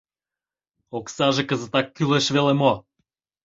Оксаже кызытак кӱлеш веле мо?